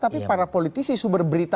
tapi para politisi sumber berita